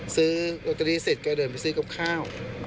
ซื้อลอตเตอรี่เสร็จก็เดินไปซื้อกับข้าว